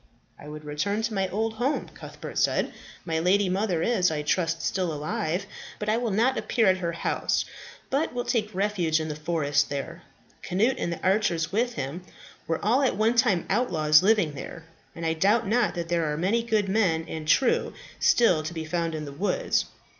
"I would return to my old home," Cuthbert said. "My lady mother is, I trust, still alive. But I will not appear at her house, but will take refuge in the forest there. Cnut, and the archers with him, were all at one time outlaws living there, and I doubt not that there are many good men and true still to be found in the woods.